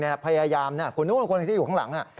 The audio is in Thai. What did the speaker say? ในพยายามคุณนึกว่าคนที่อยู่ข้างหลัง